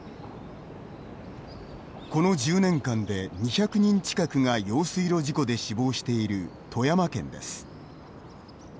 この１０年間で２００人近くが用水路事故で死亡している富山県です。